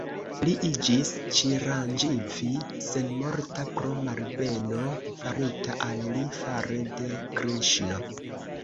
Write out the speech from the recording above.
Li iĝis "Ĉiranĝivi" (senmorta) pro malbeno farita al li fare de Kriŝno.